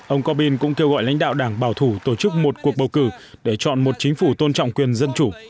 ông corbyn cũng kêu gọi lãnh đạo đảng bảo thủ tổ chức một cuộc bầu cử để chọn một chính phủ tôn trọng quyền dân chủ